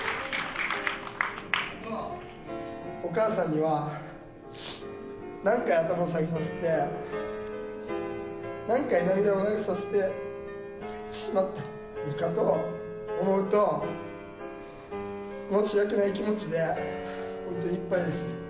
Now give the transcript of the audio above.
お母さんには、何回頭を下げさせて何回涙を流させてしまったかと思うと、申し訳ない気持ちで、本当にいっぱいです。